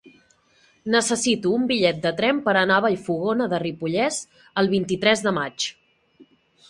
Necessito un bitllet de tren per anar a Vallfogona de Ripollès el vint-i-tres de maig.